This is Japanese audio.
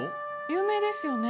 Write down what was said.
有名ですよね。